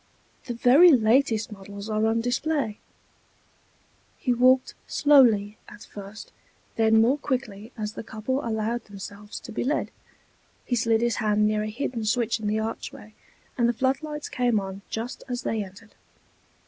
"The very latest models are on display." He walked slowly at first, then more quickly as the couple allowed themselves to be led. He slid his hand near a hidden switch in the archway, and floodlights came on just as they entered.